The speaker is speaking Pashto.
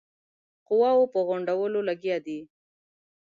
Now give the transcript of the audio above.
قواوو په غونډولو لګیا دی.